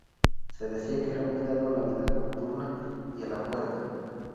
Se decía que era muy dado a la vida nocturna y a la juerga.